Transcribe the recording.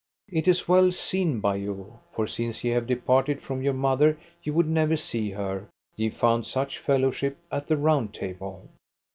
It is well seen by you; for since ye have departed from your mother ye would never see her, ye found such fellowship at the Round Table.